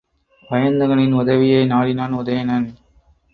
வயந்தகனின் உதவியை நாடினான் உதயணன்.